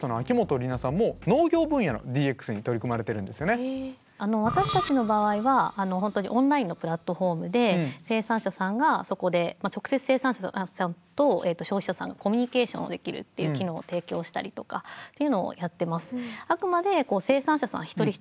今回お越し頂いてる私たちの場合は本当にオンラインのプラットホームで生産者さんがそこで直接生産者さんと消費者さんがコミュニケーションできるっていう機能を提供したりとかっていうのをやってます。